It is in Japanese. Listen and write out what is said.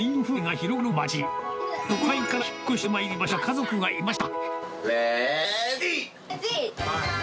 そこに都会から引っ越してまいりました家族がいました。